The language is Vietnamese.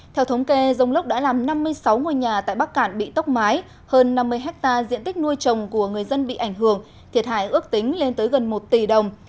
theo thống kê dông lốc đã làm năm mươi sáu ngôi nhà tại bắc cạn bị tốc mái hơn năm mươi hectare diện tích nuôi trồng của người dân bị ảnh hưởng thiệt hại ước tính lên tới gần một tỷ đồng